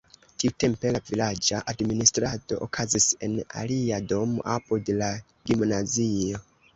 Tiutempe la vilaĝa administrado okazis en alia domo apud la gimnazio.